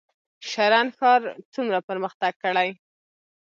شرن ښار څومره پرمختګ کړی؟